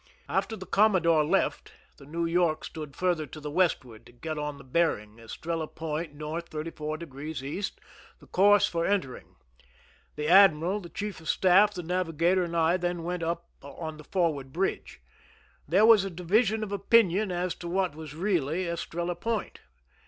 After the commodore left, the New York stood farther to the westward to get on the bearing, Estrella Point, north, 34^ E., the course for enter ing. The admiral, the chief of staff, the navigator, and I then went up on the forward bridge. There was a division of opinion as to what was really Estrella Point.